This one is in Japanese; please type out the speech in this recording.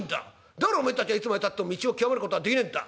だからおめえたちはいつまでたっても道を極めることができねえんだ。